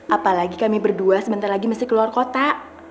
apalagi kami berdua sebentar lagi mesti keluar kota